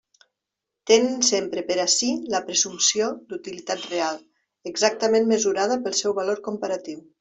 Tenen sempre per a si la presumpció d'utilitat real, exactament mesurada pel seu valor comparatiu.